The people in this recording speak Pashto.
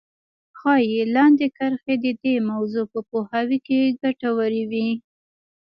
ښايي لاندې کرښې د دې موضوع په پوهاوي کې ګټورې وي.